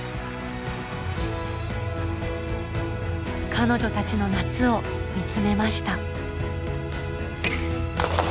彼女たちの夏を見つめました。